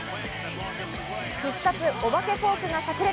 必殺・お化けフォークがさく裂。